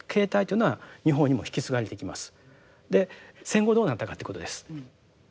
戦後どうなったかっていうことです。